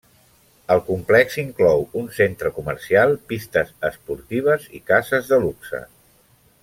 El complex inclou un centre comercial, pistes esportives i cases de luxe.